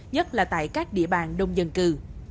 nhất là tại các địa bàn đông dân cư